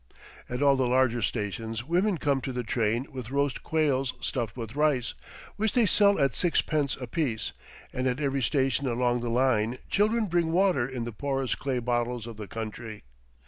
At all the larger stations women come to the train with roast quails stuffed with rice, which they sell at six pence apiece, and at every station along the line children bring water in the porous clay bottles of the country.